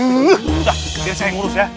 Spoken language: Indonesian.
sudah biar saya ngurus ya